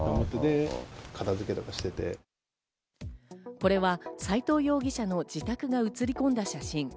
これは斎藤容疑者の自宅が写り込んだ写真。